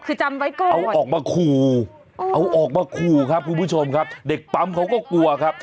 คือจำไว้ก่อนเอาออกมาขู่เอาออกมาขู่ครับคุณผู้ชมครับเด็กปั๊มเขาก็กลัวครับ